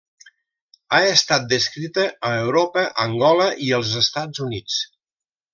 Ha estat descrita a Europa, Angola i els Estats Units.